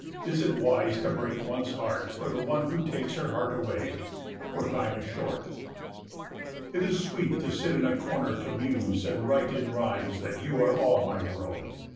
Is it wise to break one's heart for the one who takes her heart away? For time is short. It is sweet to sit in a corner to muse and write in rhymes that you are all my world.